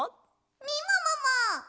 みももも！